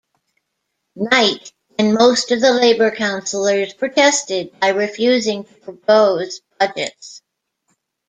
Knight and most of the Labour councillors protested by refusing to propose budgets.